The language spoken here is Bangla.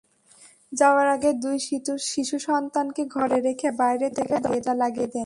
যাওয়ার আগে দুই শিশুসন্তানকে ঘরে রেখে বাইরে থেকে দরজা লাগিয়ে দেন।